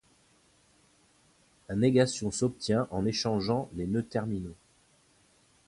La négation s'obtient en échangeant les nœuds terminaux.